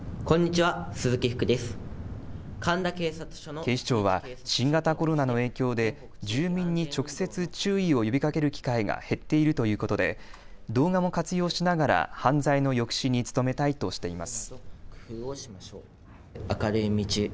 警視庁は新型コロナの影響で住民に直接注意を呼びかける機会が減っているということで動画も活用しながら犯罪の抑止に努めたいとしています。